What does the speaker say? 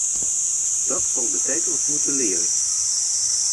Dat zal de tijd ons moeten leren.